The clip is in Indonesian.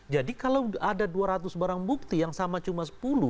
jadi kalau ada dua ratus barang bukti yang sama cuma sepuluh